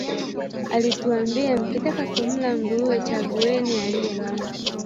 Alituambia, mkitaka kumla nguruwe, chagueni aliyenona